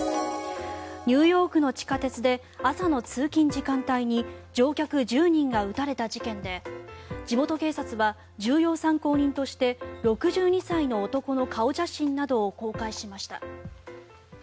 ニューヨークの地下鉄で朝の通勤時間帯に乗客１０人が撃たれた事件で地元警察は重要参考人として６２歳の男の顔写真などを公開しました。